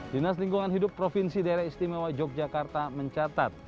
dinas lingkungan hidup provinsi daerah istimewa yogyakarta mencatat